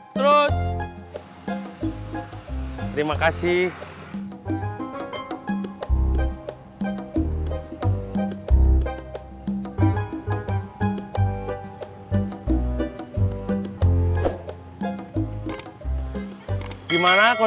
kamu bagian yang dapet uang